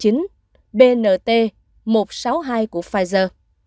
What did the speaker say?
chính phủ gia bộ y tế nguyễn thanh long cho phép áp dụng hình thức lựa chọn nhà thầu